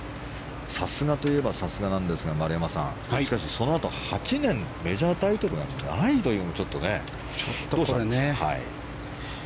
さすがと言えばさすがなんですが丸山さん、しかしそのあと８年メジャータイトルがないというのもちょっとねどうしたんですかね。